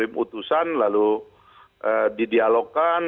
ngirim utusan lalu didialogkan